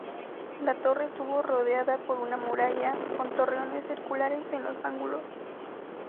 La torre estuvo rodeada por una muralla, con torreones circulares en los ángulos.